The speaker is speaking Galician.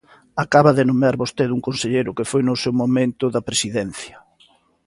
Acaba de nomear vostede un conselleiro que foi no seu momento da Presidencia.